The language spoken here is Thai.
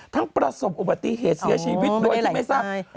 ประสบอุบัติเหตุเสียชีวิตโดยที่ไม่ทราบ